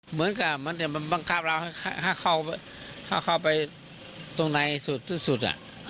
เหมือนกับนี่มันมันบังคับเราข้าเข้าไปตรงนายสุดสุด